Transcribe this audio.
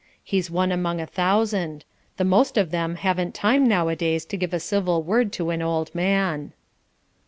He's one among a thousand; the most of them haven't time nowadays to give a civil word to an old man."